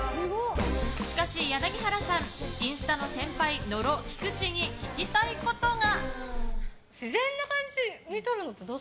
しかし、柳原さんインスタの先輩野呂、菊地に聞きたいことが。